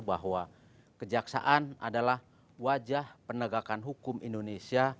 bahwa kejaksaan adalah wajah penegakan hukum indonesia